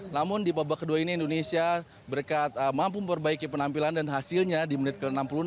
namun di babak kedua ini indonesia berkat mampu memperbaiki penampilan dan hasilnya di menit ke enam puluh enam